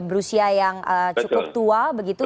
berusia yang cukup tua begitu